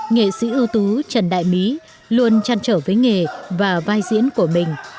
nghệ sĩ ưu tú trần đại mý luôn trăn trở với nghề và vai diễn của mình